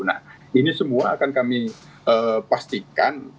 nah ini semua akan kami pastikan